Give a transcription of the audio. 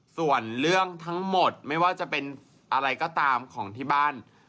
ส่วนเรื่องทั้งหมดไม่ว่าจะเป็นอะไรก็ตามของที่บ้าน